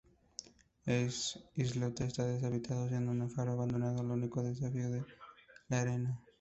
El islote está deshabitado, siendo un faro abandonado el único edificio en el área.